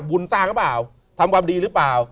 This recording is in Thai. บุญสร้างหรือเปล่าทำความดีหรือเปล่า